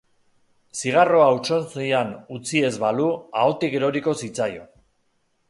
Zigarroa hautsontzian utzia ez balu, ahotik eroriko zitzaion.